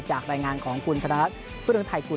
จากรายงานของคุณทนเสื้อโ๓๓ขุน